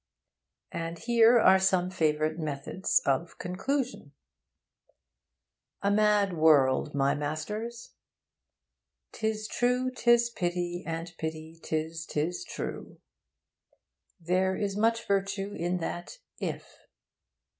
And here are some favourite methods of conclusion: A mad world, my masters! 'Tis true 'tis pity, and pity 'tis 'tis true. There is much virtue in that 'if.'